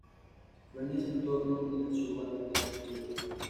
Fue en este entorno donde nació Banda Black Rio.